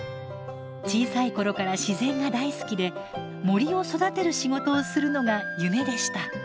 小さい頃から自然が大好きで森を育てる仕事をするのが夢でした。